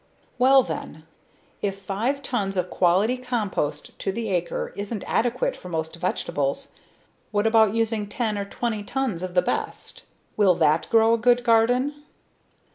Well then, if five tons of quality compost to the acre isn't adequate for most vegetables, what about using ten or twenty tons of the best. Will that grow a good garden?